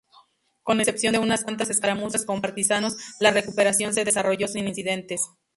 Con excepción de unas cuantas escaramuzas con partisanos, la recuperación se desarrolló sin incidentes.